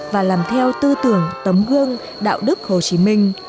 và làm theo tư tưởng tấm gương đạo đức hồ chí minh